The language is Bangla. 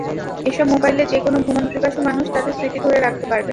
এসব মোবাইলে যেকোনো ভ্রমণ পিপাসু মানুষ তাঁদের স্মৃতি ধরে রাখতে পারবেন।